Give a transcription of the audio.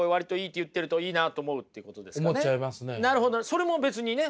それも別にね